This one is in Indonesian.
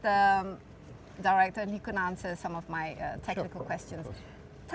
beritahu saya sedikit